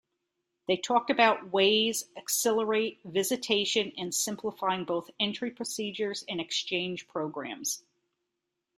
They talked about ways accelerate visitation and simplifying both entry procedures and exchange programs.